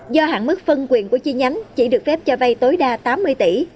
do hạn mức phân quyền của chi nhánh chỉ được phép cho vay tối đa tám mươi tỷ